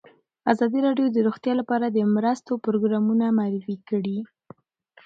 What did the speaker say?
ازادي راډیو د روغتیا لپاره د مرستو پروګرامونه معرفي کړي.